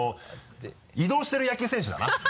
移動してる野球選手だな！